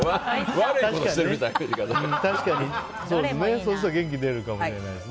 確かにそうすると元気出るかもしれないですね。